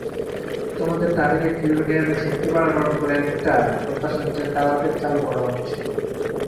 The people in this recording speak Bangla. তোমাদের টার্গেট ইউরেনিয়ামের শক্তি বাড়ানোর প্ল্যান্টটা প্রত্যাশার চেয়ে তাড়াতাড়ি চালু করা হচ্ছে।